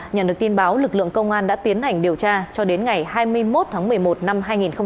nhận được tin báo lực lượng công an đã tiến hành điều tra cho đến ngày hai mươi một tháng một mươi một năm hai nghìn hai mươi ba